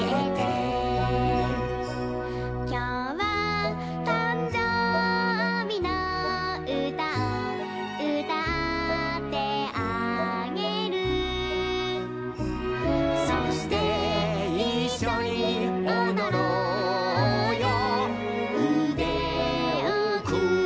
「きょうはたんじょうびのうたをうたってあげる」「そしていっしょにおどろうようでをくんで、、、」